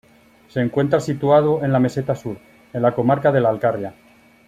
Se encuentra situado en la Meseta Sur, en la comarca de La Alcarria.